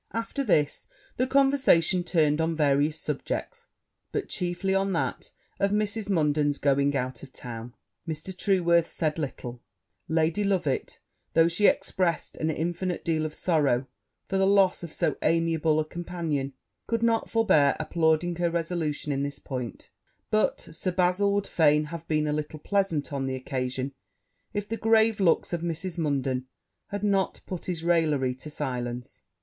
After this, the conversation turned on various subjects, but chiefly on that of Mrs. Munden's going out of town: Mr. Trueworth said little; Lady Loveit, though she expressed an infinite deal of sorrow for the loss of so amiable a companion, could not forbear applauding her resolution in this point; but Sir Bazil would fain have been a little pleasant on the occasion, if the grave looks of Mrs. Munden had not put his raillery to silence.